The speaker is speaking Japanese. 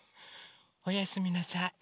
おやすみなさい。